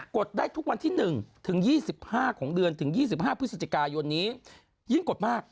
ดได้ทุกวันที่๑ถึง๒๕ของเดือนถึง๒๕พฤศจิกายนนี้ยิ่งกดมาก